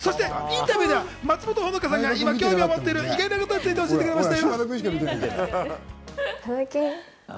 そしてインタビューでは松本穂香さんが今、興味を持っている、意外なことについて教えてくれました。